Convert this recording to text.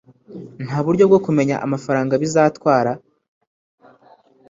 Nta buryo bwo kumenya amafaranga bizatwara